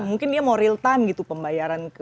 mungkin dia mau real time gitu pembayaran ke supplier